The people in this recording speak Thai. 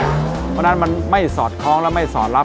เพราะฉะนั้นมันไม่สอดคล้องและไม่สอดรับ